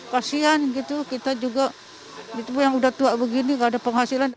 kasian gitu kita juga yang udah tua begini gak ada penghasilan